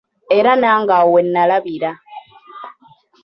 Era nange awo wennalabira.